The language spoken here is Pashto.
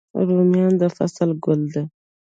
رومیان د فصل ګل دی